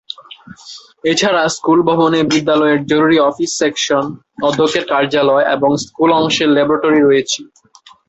এছাড়া স্কুল ভবনে বিদ্যালয়ের জরুরী অফিস সেকশন, অধ্যক্ষের কার্যালয় এবং স্কুল অংশের ল্যাবরেটরি রয়েছে।